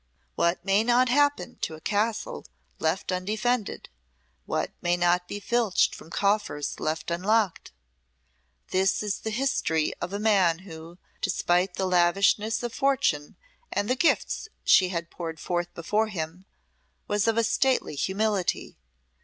What may not happen to a castle left undefended; what may not be filched from coffers left unlocked? This is the history of a man who, despite the lavishness of Fortune and the gifts she had poured forth before him, was of a stately humility.